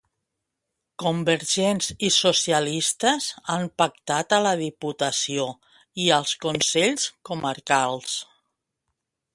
Convergents i socialistes han pactat a la diputació i als consells comarcals.